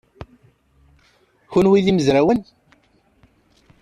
Kenwi d imezrawen?